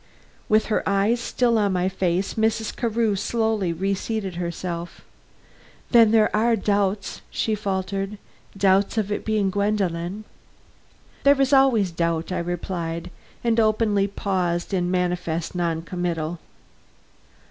With her eyes still on my face, Mrs. Carew slowly reseated herself. "Then there are doubts," she faltered; "doubts of its being Gwendolen?" "There is always doubt," I replied, and openly paused in manifest non committal.